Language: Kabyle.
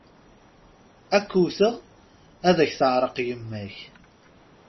Ad k-wwteɣ, ad ak-teεreq yemma-k!